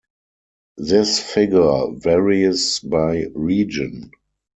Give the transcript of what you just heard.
This figure varies by region.